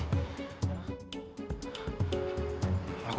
aku gak bisa diemenin mereka